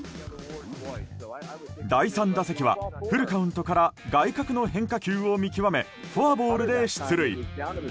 第３打席はフルカウントから外角の変化球を見極めフォアボールで出塁。